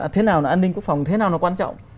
thế nào là an ninh quốc phòng thế nào là quan trọng